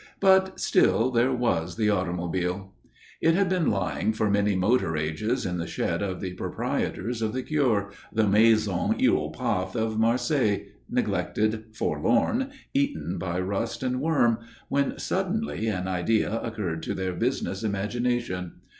But, still, there was the automobile. It had been lying for many motor ages in the shed of the proprietors of the cure, the Maison Hiéropath of Marseilles, neglected, forlorn, eaten by rust and worm, when suddenly an idea occurred to their business imagination.